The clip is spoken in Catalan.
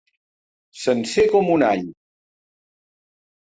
Sencer com un all.